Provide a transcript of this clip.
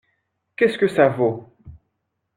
Qu’est-ce que ça vaut ?